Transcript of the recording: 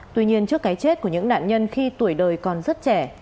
tuy nhiên trước cái chết của những nạn nhân khi tuổi đời còn rất trẻ